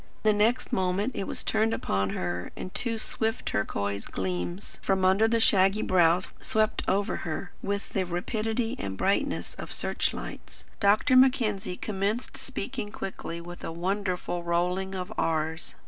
The next moment it was turned upon her and two swift turquoise gleams from under the shaggy brows swept over her, with the rapidity and brightness of search lights. Dr. Mackenzie commenced speaking quickly, with a wonderful rolling of r's.